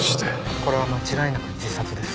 これは間違いなく自殺です。